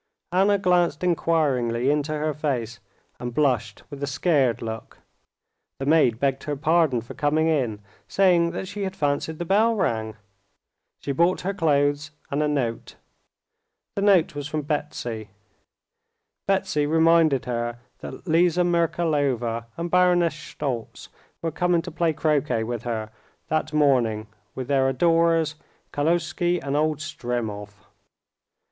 Anna glanced inquiringly into her face, and blushed with a scared look. The maid begged her pardon for coming in, saying that she had fancied the bell rang. She brought her clothes and a note. The note was from Betsy. Betsy reminded her that Liza Merkalova and Baroness Shtoltz were coming to play croquet with her that morning with their adorers, Kaluzhsky and old Stremov.